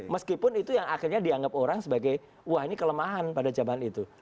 meskipun itu yang akhirnya dianggap orang sebagai wah ini kelemahan pada zaman itu